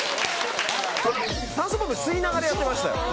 酸素ボンベ吸いながらやってましたよ。